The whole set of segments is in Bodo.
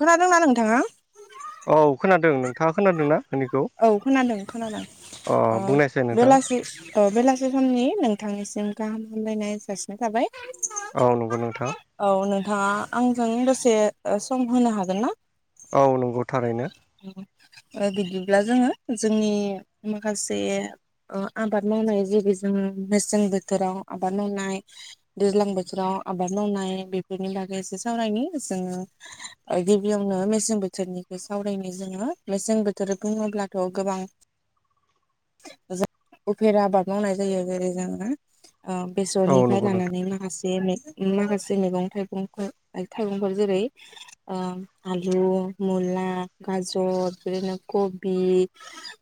खोनादोंना नोंथाङा? औ खोनादों नोंथाङा खोनादों ना? औ खोनादों खोनादों अ बुंनायसाय नोंथां बेलासि औ बेलासे समनि नोंथांनिसिम गाहाम हामलायनाय जासिनाय थाबाय। औ नंगौ नोंथां। औ नोंथाङा आंजों दसे सम होनो हागोन ना। औ नंगौ थारैनो। ओ बिदिब्ला जोङो जोंनि माखासे ओ आबाद मावनाय जेबो जों मेसें बोथोराव आबाद मावनाय। दैज्लां बोथोराव आबाद मावनाय बेफोरनि बागै एसे सावरायनि जोङो ओ गिबियावनो मेसें बोथोरनि [unintelligible] सावरायनि जोङो मेसें बोथोर बुङोब्लाथ' गोबां जों उफेर आबाद मावनाय जायो जेरै जोङो ओ औ बेसरनिफ्राय नंगौ नोंथां लानानै माखासे [unintelligible] माखासे मैगं थाइगंफोर थाइगंफोर जेरै ओ आलु मुला गाजर बिदिनो कबि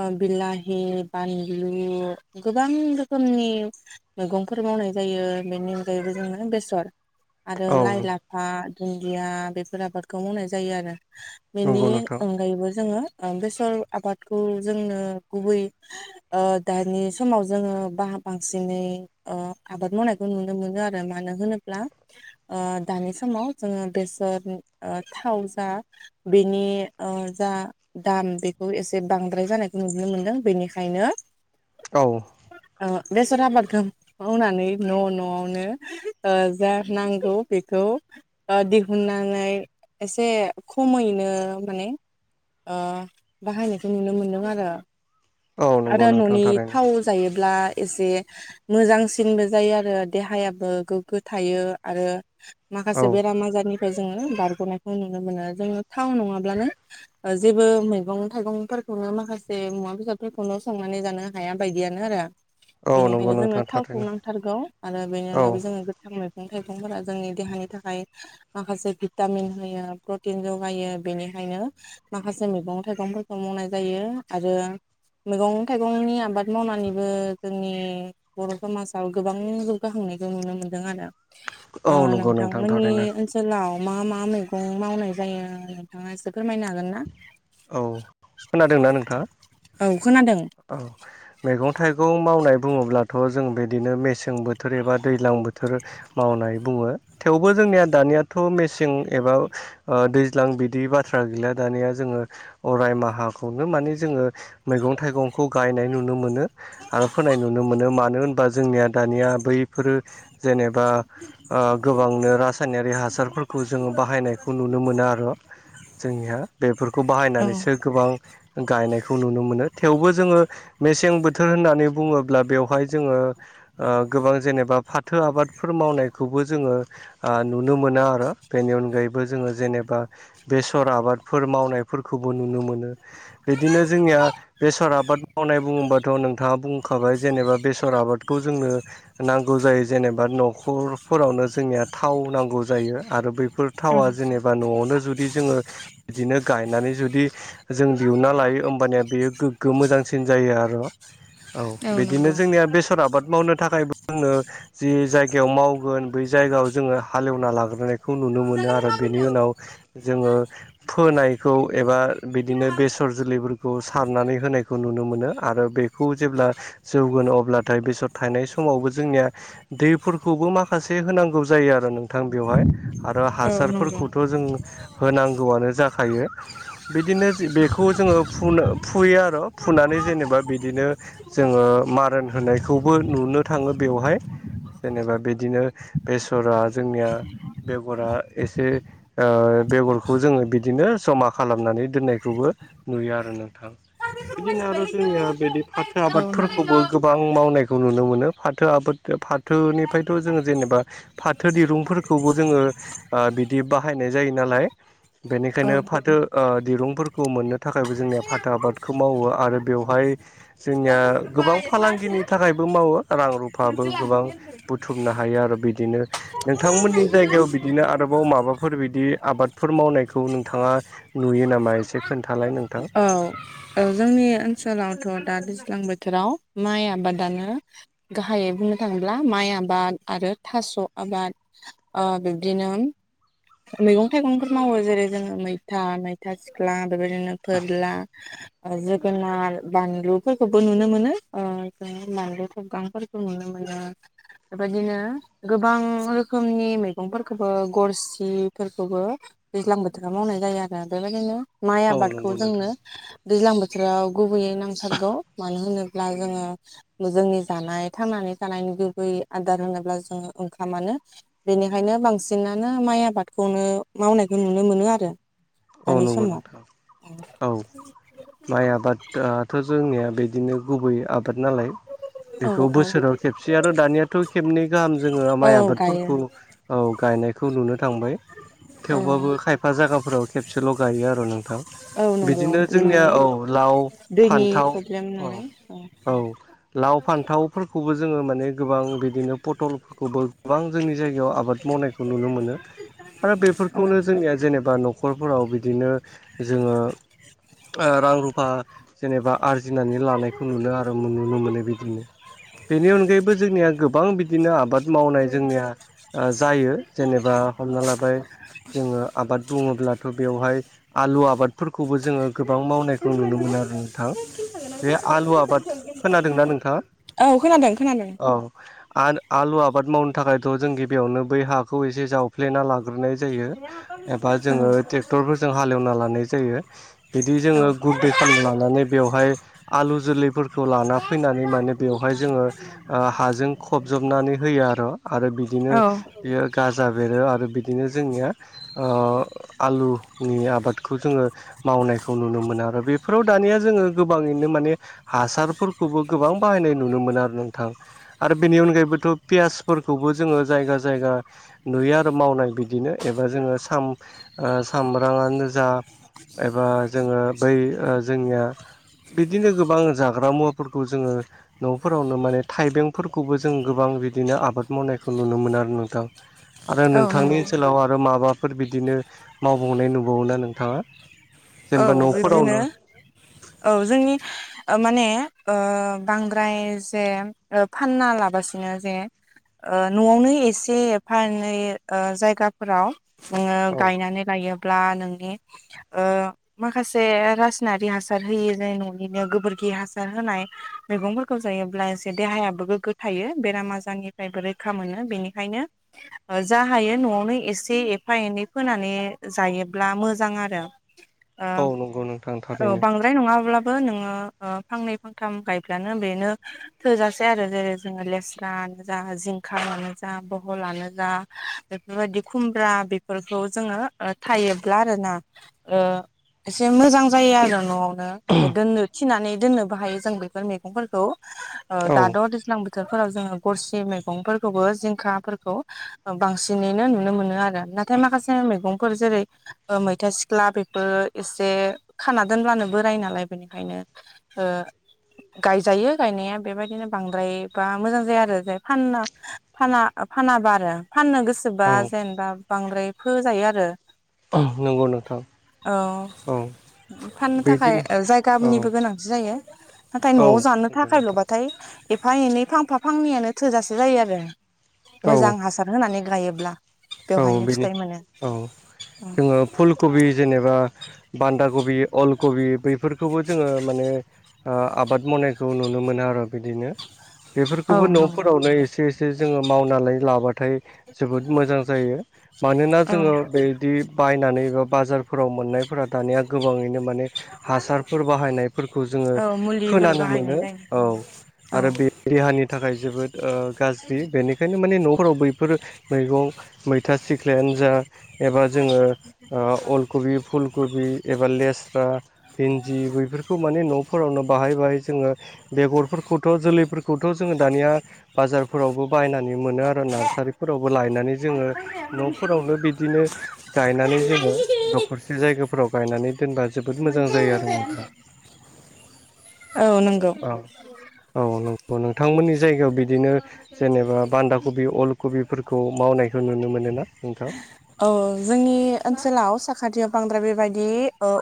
ओ बिलाहि बानलु गोबां रोखोमनि मैगंफोर मावनाय जायो बेनि अनगायैबो जोङो बेसर आरो औ लाइ लाफा दुन्दिया बेफोर आबादखौ मावनाय जायो आरो बेनि नंगौ नोंथां अनगायैबो जोङो बेसर आबादखौ जोंनो गुबै ओ दानि समाव जोङो बाहा बांसिनै ओ आबाद मावनायखौ नुनो मोनो आरो मानो होनोब्ला ओ दानि समाव जोङो बेसर ओ थाव जा बेनि ओ जा दाम बेखौ एसे बांद्राय जानायखौ नुनो मोनदों बेनिखायनो। औ। अ बेसर आबादखौ मावनानै न' न'आवनो ओ जा नांगौ बेखौ ओ दिहुननानै एसे खमैनो माने ओ बाहायनायखौ नुनो मोनदों आरो। औ नंगौ आरो नोंथां न'नि थारैनो थाव जायोब्ला एसे मोजांसिनबो जायो आरो देहायाबो गोग्गो थायो आरो औ माखासे बेराम आजारनिफ्राय जोङो बारग'नायखौ नुनो मोनो जोङो थाव नङाब्लानो जेबो मैगं थाइगंफोरखौनो माखासे मुवा बेसाद खौल' संनानै जानो हाया बायदियानो आरो औ नंगौ बेनिखायनो जोंनो नोंथां थावखौ थारैनो नांथारगौ आरो बेनि औ अनगाबो जोङो मैगं थाइगंफोरा जोंनि देहानि थाखाय माखासे भिटामिन होयो प्रटिन जगायो बेनिखायनो माखासे मैगं थाइगंफोरखौ मावनाय जायो आरो मैगं थाइगंनि आबाद मावनानैबो जोंनि बर' समाजाव गोबां जौगाहांनायखौ नुनो मोनदों आरो। औ ओ नंगौ नोंथां नोंथांमोननि थारैनो ओन सोलाव मा मा मैगं मावनाय जायो नोंथाङा एसे फोरमायनो हागोन ना? औ खोनादोंना नोंथाङा? औ खोनादों। औ मैगं थाइगं मावनाय बुङोब्लाथ' जों बिदिनो मेसें बोथोर एबा दैज्लां बोथोर मावनाय बुङो थेवबो जोंनिया दानियाथ' मेसें एबा ओ दैज्लां बिदि बाथ्रा गैला दानिया जोङो अराय माहाखौनो माने जोङो मैगं थाइगंखौ गायनाय नुनो मोनो। आरो फोनाय नुनो मोनो मानो होनबा जोंनिया दानिया बैफोरो जेनेबा ओ गोबांनो रासायनारि हासारफोरखौ जोङो बाहायनायखौ नुनो मोनो आरो जोंनिहा बेफोर खौ औ बाहायनानैसो गोबां गायनायखौ नुनो मोनो थेवबो जोङो मेसें बो थोर होननानै बुङोब्ला बेवहाय जोङो ओ गोबां जेनेबा फाथो आबादफोर मावनायखौबो जोङो ओ नुनो मोनो आरो बेनि अनगायैबो जोङो जेनेबा बेसर आबादफोर मावनाय फोरखौबो नुनो मोनो। बिदिनो जोंनिया बेसर आबाद मावनाय बुङोबाथ' नोंथाङा बुंखाबाय जेनेबा बेसर आबादखौ जोंनो नांगौ जायो जेनेबा न'खरफोरावनो जोंनिया थाव नांगौ जायो आरो बैफोर थावा जेनेबा न'आवनो जुदि जोङो बिदिनो गायनानै जुदि जों दिहुनना लायो होमबानिया बेयो गोग्गो मोजांसिन जायो आर'। औ बिदिनो जोंनिया बेसर आबाद मावनो थाखायबो जोंनो जि जायगायाव मावगोन बै जायगायाव जोङो हालेवना लाग्रोनायखौ नुनो मोनो आरो बेनि उनाव जोङो फोनाय खौ एबा बिदिनो बेसर जोलैफोरखौ सारनानै होनायखौ नुनो मोनो आरो बेखौ जेब्ला जौगोन अब्लाथाय बेसर थानाय समावबो जोंनिया दैफोरखौबो माखासे होनांगौ जायो आरो नोंथां बेवहाय। आरो औ नंगौ हासारफोरखौथ' जों होनांगौआनो जाखायो। बिदिनो बेखौ जोङो फुनो फुयो आरो फुनानै जेनेबा बिदिनो जोङो मारोन होनायखौबो नुनो थाङो बेवहाय। जेनेबा बिदिनो बेसरा जोंनिया बेगरा एसे ओ बेगरखौ जोङो बिदिनो जमा खालामनानै दोननायखौबो नुयो आरो नोंथां। औ बिदिनो आरो जोंनिया बिदि फाथो नंगौ आबादफोरखौबो गो बां मावनायखौ नुनो मोनो। फाथो आबाद फाथोनिफ्रायथ' जों जेनेबा फाथो दिरुंफोरखौबो जोङो ओ बिदि बाहायनाय जायो नालाय औ बेनिखायनो फाथो ओ दिरुंफोरखौ मोननो थाखायबो जोंनि फाथा आबादखौ मावो आरो बेवहाय जोंनिया गोबां फालांगिनि थाखायबो मावो। रां रुफाबो गोबां बुथुमनो हायो आरो बिदिनो नोंथांमोननि जायगायाव बिदिनो आरोबाव माबाफोर बिदि आबादफोर मावनायखौ नोंथाङा नुयो नामा एसे खोनथालाय नों औ जोंनि ओनसोलावथ' दा दैज्लां बोथोराव माइ आबादानो गाहायै बुंनो थाङोब्ला माइ आबाद आरो थास' आबाद ओ बिबदिनो मैगं थाइगंफोर मावो जेरै जोङो मैथा मैथा सिख्ला बेबायदिनो फोरला जोगोनार बानलुफोरखौबो नुनो मोनो जों बानलु थबगांफोरखौ खौ नुनो मोनो बेबायदिनो गोबां रोखोमनि मैगंफोरखौबो गरसिफोरखौबो दैज्लां बोथोराव मावनाय जायो आरो बेबायदिनो माइ औ आबादखौ नंगौ नोंथां जोंनो दैज्लां बोथोराव गुबैयै नांथारगौ मानो होनोब्ला जोङो जोंनि जानाय थांनानै थानायनि गुबै आदार होनोब्ला जोङो ओंखामानो। बेनिखायनो बांसिनानो माइ आबादखौनो मावनायखौ नुनो मोनो आरो। औ दानि नंगौ समाव नोंथां औ माइ आबादाथ' जों जोंनिया बिदिनो गुबै आबाद नालाय। औ बेखौ औ बोसोराव खेबसे आरो दानियाथ' खेबनै गाहाम जोङो माइ औ गायो आबादफोरखौ औ गायनायखौ नुनो थांबाय औ थेवबाबो खायफा जायगाफोराव खेबसेल' गायो आरो नोंथां औ नंगौ बिदिनो जोंनिया माने औ लाव दैनि फान्थाव प्रब्लेम औ नालाय औ लाव फान्थावफोरखौबो जोङो माने गोबां बिदिनो पटलफोरखौबो गोबां जोंनि जायगायाव आब आबाद मावनायखौ नुनो मोनो आरो औ बेफोरखौनो जोंनिया जेनेबा नख न'खरफोराव बिदिनो जोङो रां रुफा जेनेबा आरजिनानै लानायखौ नुनो आरो नुनो मोनो बिदिनो। बेनि अनगायैबो जोंनिया गोबां बिदिनो आबाद मावनाय जोंनिया जायो जेनेबा हमना लाबाय जोङो आबाद बुङो ब्लाथ' बेवहाय आलु आबादफोरखौबो जोङो गोबां मावनायखौ नुनो मोनो आरो नोंथां। बे आलु आबाद खोनादोंना औ खोनादों खोनादों। नोंथाङा औ आ आलु आबाद मावनो थाखायथ' जों गिबियावनो बै हाखौ एसे जाव फ्लेना लाग्रोनाय जायो एबा जोङो ट्रेक्टरफोरजों हालेवना लानाय जायो। बिदि औ जोङो गुद दे खालामना लानानै बेवहाय आलु जोलैफोरखौ लाना फैनानै माने बेवहाय जोङो हाजों खबजबनानै होयो आरो आरो बिदिनो औ बियो गाजा बेरो आरो बिदिनो जोंनिया ओ आलुनि आबादखौ जोङो मावनायखौ नुनो मोनो आरो बेफोराव दानिया जोङो गोबाङैनो माने हासारफोरखौबो गोबां बाहायनाय नुनो मोन आरो नोंथां। आरो बेनि अनगायैबोथ' पियासफोरखौबो जोङो जायगा जायगा नुयो आरो मावनाय बिदिनो एबा जोङो साम ओ सामब्रामानो जा एबा जोङो बै जोंनिया बिदिनो गोबां जाग्रा मुवाफोरखौ जोङो न'फोरावनो माने थाइबेंफोरखौबो जों गोबां बिदिनो आबाद मावनायखौ नुनो मोनो आरो नोंथां। [inaudible] आरो नोंथांनि नंगौ ओनसोलाव आरो माबाफोर बिदिनो मावबावनाय नुबावा नोंथाङा? औ जेनेबा बिब्दिनो न'खरावनो औ जोंनि माने ओ बांद्राय जे ओ फानना लाबासिनो जे ओ न'आवनो एसे एफा एनै जायगाफोराव नोङो औ गायनानै लायोब्ला नोंनि ओ माखासे रासनारि हासार होयोनि न'निनो गोबोरखि हासार होनाय मैगंफोरखौ जायोब्ला एसे देहायाबो गोग्गो थायो बेराम आजारनिफ्रायबो रैखा मोनो बेनिखायनो जा हायो न'आवनो एसे एफा एनै फोनानै जायोब्ला मोजां आरो। ओ औ नंगौ नोंथां औ थारैनो बां द्राय नङाब्लाबो नोङो ओ फांनै फांथाम गायब्लानो बेनो थोजासे आरो जेरै जोङो लेस्रानो जा जिंखायानो जा बहलानो जा बेफोरबायदि खुमब्रा बेफोरखौ जोङो ओ थायोब्ला आरोना ओ एसे मोजां जायो आरो न'आवनो दोननो थि नानै दोननोबो हायो जों बेफोर मैगंफोरखौ औ दाद' दैज्लां बोथोरफोराव जोङो गरसि मैगंफोरखौबो जिंखाफोरखौ बांसिनैनो नुनो मोनो आरो ना नाथाय माखासे मैगंफोर जेरै मैथा सिख्ला बेफोर एसे खाना दोनब्लानो बोराय नालाय बेनिखायनो ओ गायजायो गायनाया बेबायदिनो बांद्राय बा मोजां जाया आरो जाय फानना फाना फानाबा आरो फाननो औ गोसोबा जेनबा बांद्राय फोजायो आरो। नंगौ नोंथां औ औ फाननो थाखाय बिदिनो औ जायगानिबो गोनांथि जायो। नाथाय औ न'वाव जानो नंगौ नोंथां थाखायल'बाथाय एफा एनै फांफा फांनैयानो थोजासे जायो आरो औ मोजां हासार होनानै गायोब्ला औ बेवहायनो बेनि फिथाइ मोनो। औ जोङो फुल कबि जेनेबा बान्दा कबि अल कबि बैफोरखौबो जोङो माने ओ आबाद मावनायखौ नुनो मोनो आरो बिदिनो औ बेफोरखौबो नंगौ। न'फोरावनो एसे ए से जोङो मावनानै लाबाथाय जोबोद मोजां जायो। मानोना जोङो बेदि बायनानै एबा बाजारफोराव मोननायफोरा दानिया गोबाङैनो माने हासारफोर बाहायनायफोरखौ जोङो औ मुलिफोर खोनानो बाहायनाय मोनो जायो। औ आरो बे देहानि थाखाय जोबोद ओ गाज्रि बेनिखायनो माने नखराव बैफोर मैगं मैथा सिख्लायानो जा एबा जोङो ओ अलकबि फुल खबि एबा लेस्रा भिन्दि बैफोरखौ माने न'फोरावनो बाहाय बाहाय जोङो बेगरफोरखौथ' जोलैफोर खौथ' जोङो दानिया बाजारफोरावबो बायनानै मोनो आरो नार्सारिफोरावबो लायनानै जोङो न'फोरावनो बिदिनो गायनानै जोङो दखर से जायगाफोराव गायनानै दोनबा जोबोद मोजां जायो आरो नोंथां औ नंगौ। अ औ नों नंगौ नोंथांमोननि जायगायाव बिदिनो जेनेबा बान्दा कबि अल कबिफोरखौ मावनाय खो नुनो मोनोना नोंथां? औ जोंनि ओनसोलाव साखाथियाव बांद्राय बेबायदि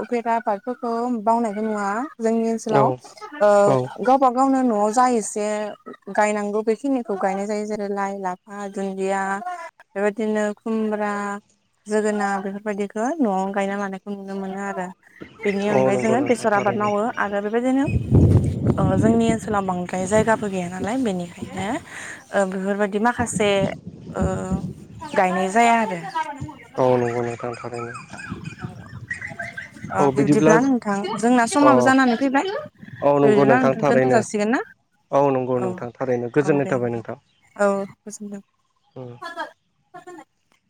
उफेरा आबाद फोरखौ बावनायखौ नुवा जोंनि औ ओनसोलाव ओ औ गाव गावबा गावनो न'वाव जा एसे गायनांगौ बेखिनिखौ गायनाय जायो जेरै लाइ लाफा दुन्दिया बेबायदिनो खुम रा जोगोना बेफोरबायदिखौ न'वाव गायना लानायखौ नुनो मोनो आरो। बेनि औ अनगायै नंगौ जोङो नोंथां बेसर आबाद थारैनो मावो आरो बेबायदिनो अ जोंनि ओनसोलाव बांद्राय जायगाबो गैया नालाय बेनिखायनो ओ बेफोरबायदि माखासे ओ गायनाय जाया आरो औ नंगौ नोंथां थारैनो। अ औ बिदिब्ला बिब्दिब्ला नोंथां जोंना समाबो अ जानानै फैबाय औ नंगौ बिदिब्ला नोंथां दोनथ' थारैनो। जासिगोन ना औ नंगौ नोंथां थारैनो औ गोजोननाय दे थाबाय नोंथां। औ गोजोनबाय उम